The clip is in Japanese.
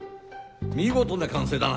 見事な管制だな。